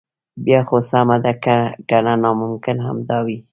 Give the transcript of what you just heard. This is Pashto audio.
بیا خو سمه ده کنه ناممکن همدا وي.